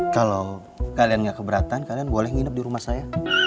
kalau kalian gak keberatan kalian boleh nginep di rumah saya